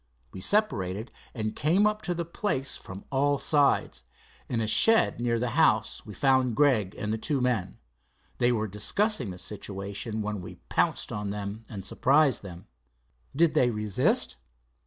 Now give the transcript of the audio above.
We separated, and came up to the place from all sides. In a shed near the house we found Gregg and the two men. They were discussing the situation, when we pounced on them and surprised them." "Did they resist?"